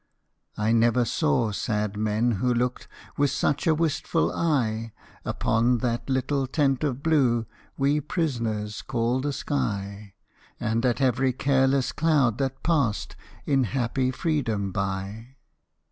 I never saw sad men who looked With such a wistful eye Upon that little tent of blue We prisoners called the sky, And at every careless cloud that passed In happy freedom by.